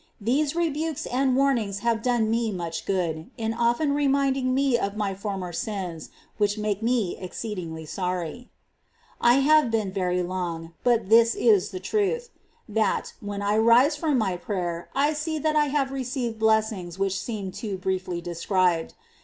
These rebukes and warnings have done me much good, in often reminding me of my former sins, which make me exceedingly sorry. 30. I have been very long, but this is the truth, —that, when I rise from my prayer, I see that I have hw prlyL. received blessings which seem too briefly described.